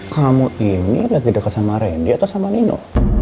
kamu ini lagi dekat sama randy atau sama nino